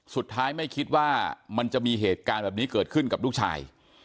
สุดท้ายไม่คิดว่ามันจะมีเหตุการณ์แบบนี้เกิดขึ้นกับลูกชาย